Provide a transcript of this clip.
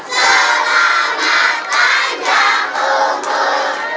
selamat sejak umur